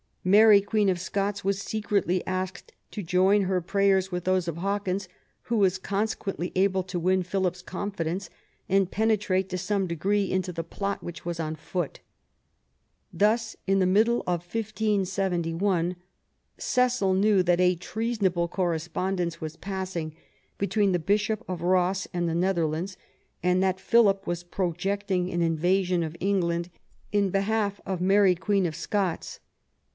Mary Queen of Scots was secretly asked to join her prayers with those of Hawkins, who was consequently able to win Philip's confidence and penetrate to some degree into the plot which was on foot. Thus, in the middle of 1571, Cecil knew that a treasonable correspondence was passing between the Bishop of Ross and the Netherlands, and that Philip. was projecting an invasion of England in behalf of Mary Queen of Scots.